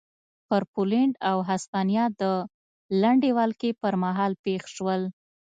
پر پولنډ او هسپانیا د لنډې ولکې پرمهال پېښ شول.